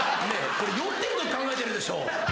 これ酔ってるとき考えてるでしょ。